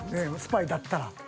スパイだったら。